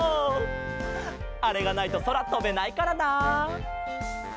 あれがないとそらとべないからな。